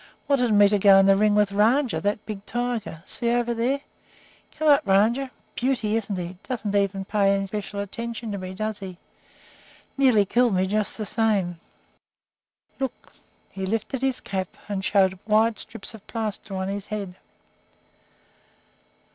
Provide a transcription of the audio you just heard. Wanted me to go in the ring with Rajah, that big tiger. See, over there! Come up, Rajah. Beauty, isn't he? Doesn't pay any special attention to me, does he? Nearly killed me, just the same. Look!" He lifted his cap and showed wide strips of plaster on his head.